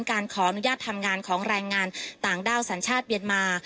การขออนุญาตทำงานของแรงงานต่างด้าวสัญชาติเมียนมา